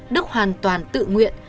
đức hoàn toàn tự nguyện